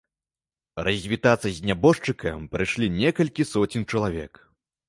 Развітацца з нябожчыкам прыйшлі некалькі соцень чалавек.